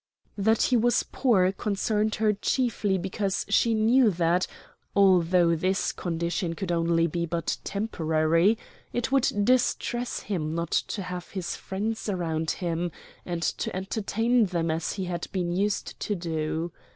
That he was poor, concerned her chiefly because she knew that, although this condition could only be but temporary, it would distress him not to have his friends around him, and to entertain them as he had been used to do.